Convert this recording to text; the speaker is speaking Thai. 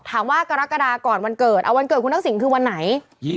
ถามว่ากรกฎาก่อนวันเกิดวันเกิดคุณทักศิลป์คือวันไหน